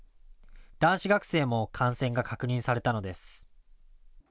男子学生も感染が確認されたのです。